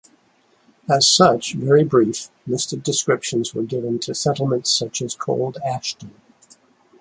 As such, very brief, listed descriptions were given to settlements such as Cold Ashton.